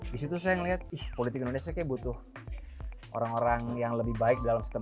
di situ saya ngelihat ih politik indonesia kayak butuh orang orang yang lebih baik dalam sistem